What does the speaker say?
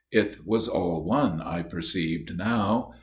It was all one, I perceived now.